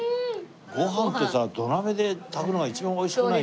ご飯ってさ土鍋で炊くのが一番美味しくない？